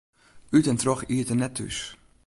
Ut en troch iet er net thús.